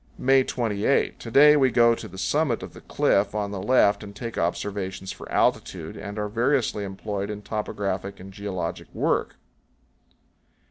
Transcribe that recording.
May 28. To day we go to the summit of the cliff on the left and take observations for altitude, and are variously employed in topographic and geologic work.